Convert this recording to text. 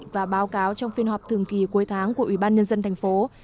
và báo cáo trong phiên họp thường kỳ cuối tháng của ủy ban nhân dân tp hcm